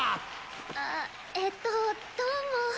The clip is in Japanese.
あっえっとどうも。